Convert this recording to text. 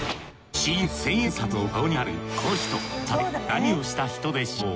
新千円札の顔になるこの人さて何をした人でしょう？